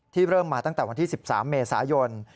เริ่มมาตั้งแต่วันที่๑๓เมษายน